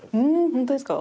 本当ですか？